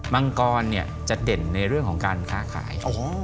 มังกรจะเด่นในเรื่องของการค้าขาย